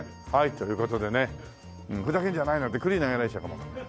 という事でね「ふざけんじゃないよ」って栗投げられちゃうかもわかんない。